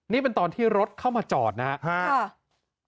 นี่เป็นตอนที่รถเข้ามาจอดนะครับ